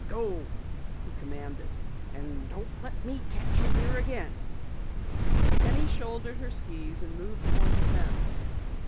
"Go!" he commanded. "And don't let me catch you here again!" Penny shouldered her skis and moved toward the fence.